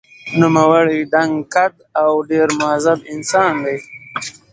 نوموړی دنګ قد او ډېر مهذب انسان دی.